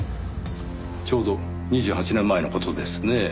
ちょうど２８年前の事ですねぇ。